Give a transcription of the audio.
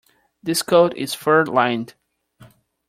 This coat is fur-lined.